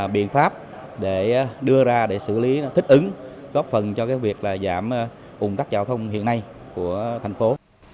biện pháp để đưa ra để xử lý thích ứng góp phần cho việc giảm ủng tắc giao thông hiện nay của thành phố